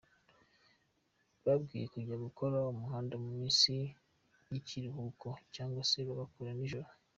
Bakwiriye kujya bakora umuhanda mu minsi y’ikiruhuko cyangwa se bagakora nijoro.